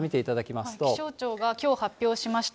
気象庁がきょう、発表しました